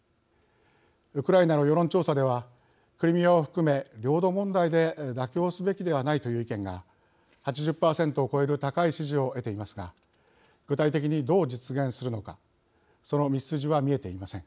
ウクライナの世論調査ではクリミアを含め領土問題で妥協すべきではないという意見が８０％を超える高い支持を得ていますが具体的にどう実現するのかその道筋は見えていません。